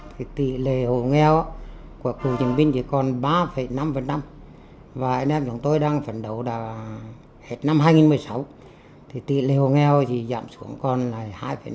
thì tỷ lệ hộ nghèo chỉ giảm xuống còn lại hai năm